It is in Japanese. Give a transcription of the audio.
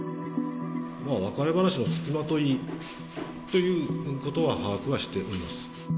別れ話のつきまといということは、把握はしております。